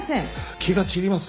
気が散ります。